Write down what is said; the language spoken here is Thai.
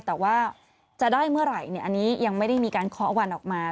แต่ว่าจะได้เมื่อไหร่อันนี้ยังไม่ได้มีการเคาะวันออกมา